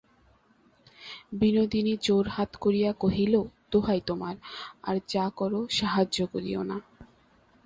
বিনোদিনী জোড়হাত করিয়া কহিল, দোহাই তোমার, আর যা কর সাহায্য করিয়ো না।